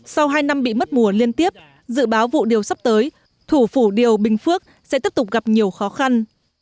sau hai năm bị mất mùa liên tiếp dự báo vụ điều sắp tới thủ phủ điều bình phước sẽ tiếp tục gặp nhiều khó khăn